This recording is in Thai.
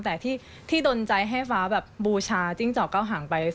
แต่ที่ดนใจให้ฟ้าแบบบูชาจิ้งจอกเก้าหางไป